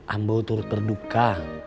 ambo turut terduka